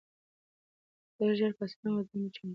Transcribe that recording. زه ژر پاڅېدم او ځان مې چمتو کړ.